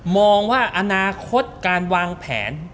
มองว่าอนาคตการวางแผน